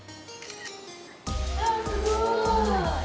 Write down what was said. あっすごい。